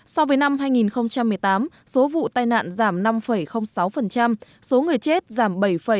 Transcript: so với năm hai nghìn một mươi tám số vụ tai nạn giảm năm sáu số người chết giảm bảy một mươi năm